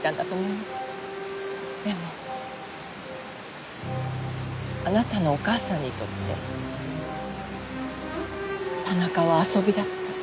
でもあなたのお母さんにとって田中は遊びだった。